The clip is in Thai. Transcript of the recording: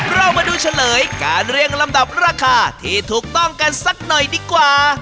เรามาดูเฉลยการเรียงลำดับราคาที่ถูกต้องกันสักหน่อยดีกว่า